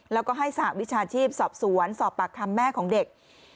แล้วก็ให้สหวิชาชีพสอบสวนสอบปากคำแม่ของเด็ก